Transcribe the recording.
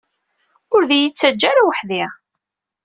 Ur d-iyi-ttaǧǧa ara weḥd-i.